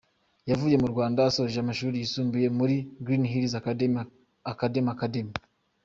Yavuye mu Rwanda asoje amashuri yisumbuye muri Green Hills Academy Academy.